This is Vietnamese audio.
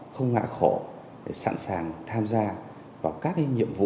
không ngại khổ để sẵn sàng tham gia vào các nhiệm vụ